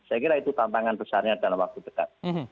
saya kira itu tantangan besarnya dalam waktu dekat